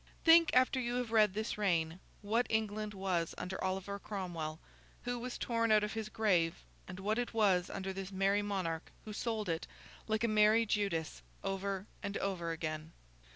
Think, after you have read this reign, what England was under Oliver Cromwell who was torn out of his grave, and what it was under this merry monarch who sold it, like a merry Judas, over and over again.